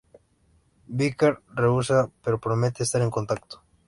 Vickers rehúsa, pero promete estar en contacto.